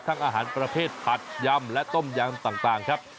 อาหารประเภทผัดยำและต้มยำต่างครับ